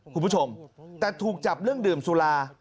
คุณผู้ชมแต่ถูกจับเรื่องดื่มสุรา